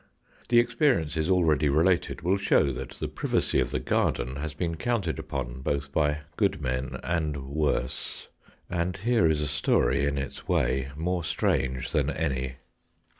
The experiences already related will show that the privacy of the garden has been counted upon both by good men and worse. And here is a story, in its way, more strange than any.